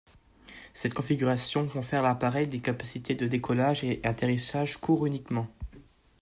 Cette configuration confère à l’appareil des capacités de décollage et atterrissage courts uniquement.